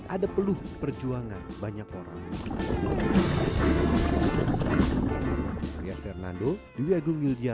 ada peluh perjuangan banyak orang